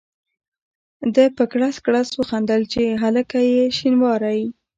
ده په کړس کړس وخندل چې هلکه یې شینواری.